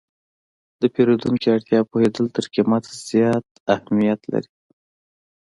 د پیرودونکي اړتیا پوهېدل تر قیمت زیات اهمیت لري.